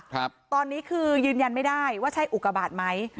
ครับตอนนี้คือยืนยันไม่ได้ว่าใช่อุกบาทไหม